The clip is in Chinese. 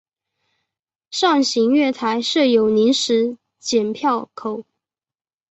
上行月台设有临时剪票口。